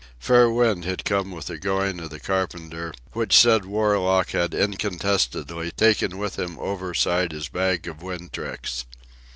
Fair wind had come with the going of the carpenter, which said warlock had incontestably taken with him overside his bag of wind tricks.